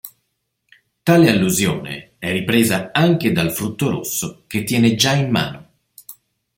Tale allusione è ripresa anche dal frutto rosso che tiene già in mano.